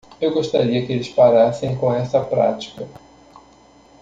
Eu gostaria que eles parassem com essa prática.